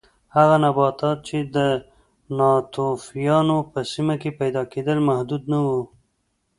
هغه نباتات چې د ناتوفیانو په سیمه کې پیدا کېدل محدود نه و